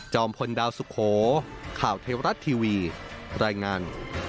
พลดาวสุโขข่าวเทวรัฐทีวีรายงาน